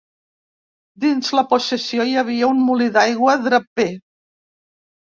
Dins la possessió hi havia un molí d'aigua, draper.